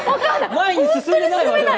前に進んでない。